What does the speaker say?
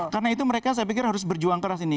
karena itu mereka saya pikir harus berjuang keras ini